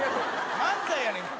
漫才やねんから。